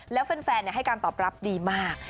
แล้วแฟนให้การตอบรับดีมาก